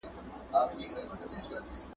ماشومان په وخت واکسین کړئ.